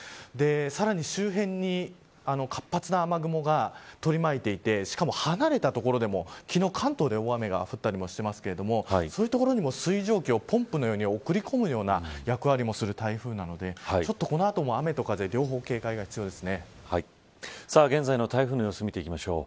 さらに、周辺に活発な雨雲が取り巻いていてしかも、離れた所でも昨日、関東で大雨が降ったりしていますけどそういう所にも水蒸気をポンプのに送り込むような役割をする台風なのでこの後も雨と風現在の台風の様子見ていきましょう。